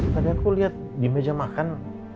kadang aku liat di meja makan